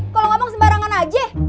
kalau ngomong sembarangan aja